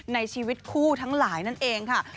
ในชีวิตคู่ทั้งหลายนั่นเองค่ะ